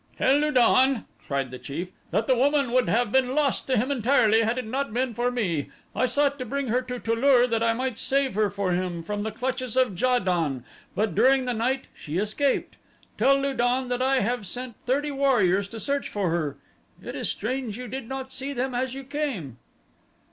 "Tell Lu don," replied the chief, "that the woman would have been lost to him entirely had it not been for me. I sought to bring her to Tu lur that I might save her for him from the clutches of Ja don, but during the night she escaped. Tell Lu don that I have sent thirty warriors to search for her. It is strange you did not see them as you came."